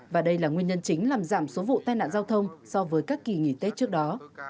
và đây là nguyên nhân chính làm giảm số vụ tai nạn giao thông so với các kỳ nghỉ tết trước đó